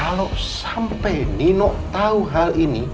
kalau sampai nino tahu hal ini